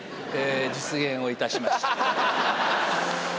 実現をいたしました。